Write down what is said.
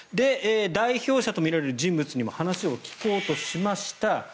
代表者とみられる人物にも話を聞こうとしました。